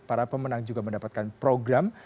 para pemenang juga mendapatkan program